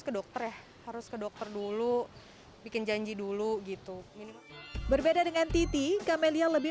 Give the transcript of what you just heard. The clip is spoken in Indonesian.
ke dokter ya harus ke dokter dulu bikin janji dulu gitu berbeda dengan titi kamelia lebih